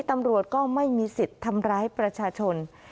ตำรวจก็ไม่มีสิทธิ์ทำร้ายประชาชน